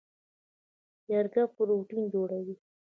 جګر پروټین جوړوي.